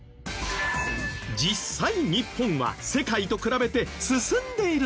実際日本は世界と比べて進んでいるのか？